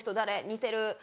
似てる』